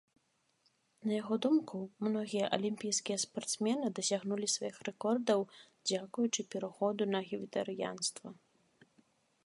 На яго думку, многія алімпійскія спартсмены дасягнулі сваіх рэкордаў дзякуючы пераходу на вегетарыянства.